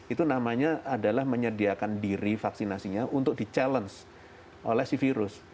itu namanya adalah menyediakan diri vaksinasinya untuk di challenge oleh si virus